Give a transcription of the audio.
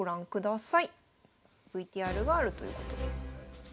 ＶＴＲがあるということです。